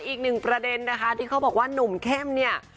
อีกหนึ่งประเด็นนะคะที่เขาบอกว่าหนุ่มเข้มเนี่ย